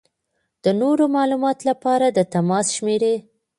د نورو معلومات لپاره د تماس شمېرې: